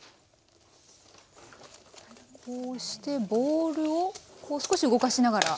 こうしてボウルを少し動かしながら。